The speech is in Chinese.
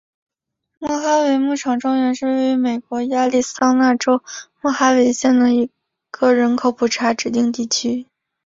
莫哈维牧场庄园是位于美国亚利桑那州莫哈维县的一个人口普查指定地区。